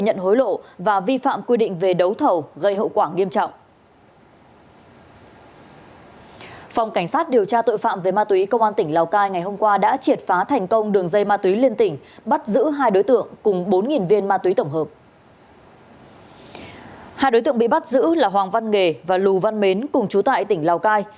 hai đối tượng bị bắt giữ là hoàng văn nghề và lù văn mến cùng chú tại tỉnh lào cai